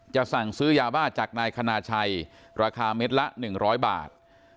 สั่งซื้อยาบ้าจากนายคณาชัยราคาเม็ดละ๑๐๐บาท